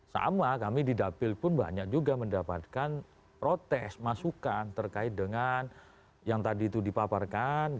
sama kami di dapil pun banyak juga mendapatkan protes masukan terkait dengan yang tadi itu dipaparkan